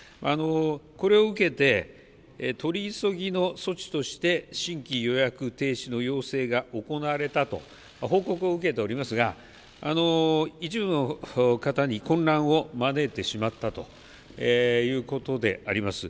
これを受けて取り急ぎの措置として新規予約停止の要請をしたと報告を受けておりますが一部の方に混乱を招いてしまったということであります。